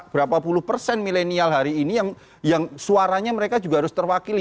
berapa puluh persen milenial hari ini yang suaranya mereka juga harus terwakili